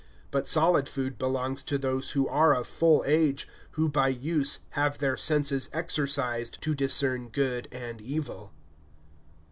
(14)But solid food belongs to those who are of full age, who by use have their senses exercised to discern good and evil.